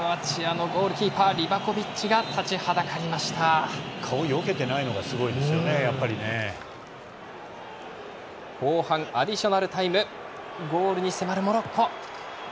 ここはクロアチアのゴールキーパー、リバコビッチが顔をよけてないのが後半アディショナルタイムゴールに迫るモロッコ。